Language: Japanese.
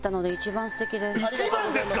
一番ですか？